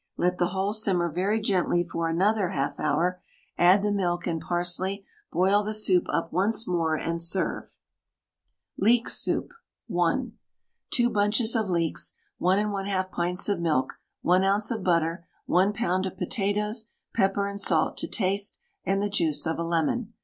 Let the whole simmer very gently for another 1/2 hour, add the milk and parsley, boil the soup up once more, and serve. LEEK SOUP (1). 2 bunches of leeks, 1 1/2 pints of milk, 1 oz. of butter, 1 lb. of potatoes, pepper and salt to taste, and the juice of a lemon.